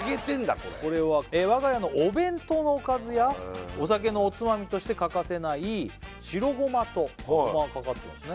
これこれは我が家のお弁当のおかずやお酒のおつまみとして欠かせない白ごまとごまがかかってますね